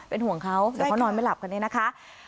เป็นห่วงเขาเดี๋ยวเขานอนไม่หลับกันเนี่ยนะคะ